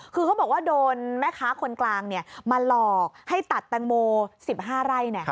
คือเขาบอกว่าโดนแม่ค้าคนกลางมาหลอกให้ตัดแตงโม๑๕ไร่